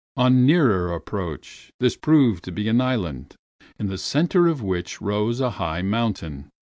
On nearer approach, this proved to be an island, in the center of which rose a high mountain.